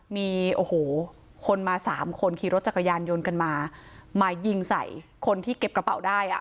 มีโอ้โหคนมาสามคนขี่รถจักรยานยนต์กันมามายิงใส่คนที่เก็บกระเป๋าได้อ่ะ